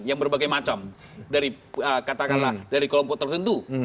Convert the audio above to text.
yang berbagai macam katakanlah dari kelompok tertentu